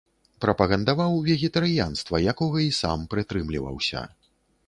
Прапагандаваў вегетарыянства, якога і сам прытрымліваўся.